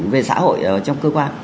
về xã hội trong cơ quan